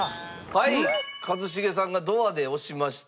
はい一茂さんがドアで押しました。